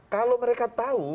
kalau mereka tahu